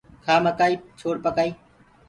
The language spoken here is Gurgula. کآ مڪآئي ڇوڙ پڪآئي